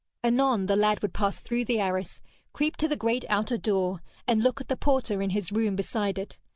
Anon the lad would pass through the arras, creep to the great outer door, and look at the porter in his room beside it.